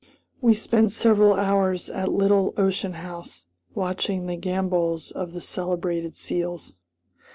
We spent several hours at the little Ocean House, watching the gambols of the celebrated seals.